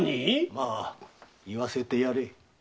まあ言わせてやれ。